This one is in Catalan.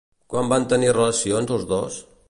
Quan van tenir relacions els dos?